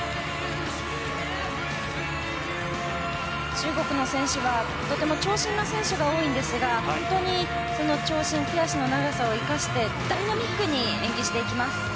中国の選手はとても長身の選手が多いんですが本当に長身、手足の長さを生かしてダイナミックに演技していきます。